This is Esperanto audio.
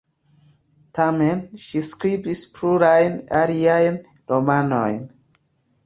Tamen, ŝi skribis plurajn aliajn romanojn.